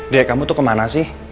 dari kamu tuh kemana sih